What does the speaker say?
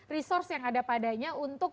resource yang ada padanya untuk